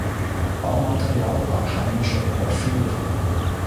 Baumaterial war heimischer Porphyr.